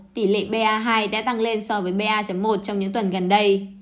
tỷ lệ ba hai đã tăng lên so với ba một trong những tuần gần đây